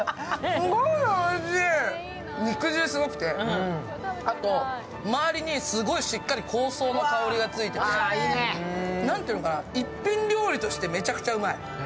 すごいおいしい、肉汁すごくて、あと周りにすごいしっかり香草の香りがついてて、一品料理として、めちゃくちゃうまい。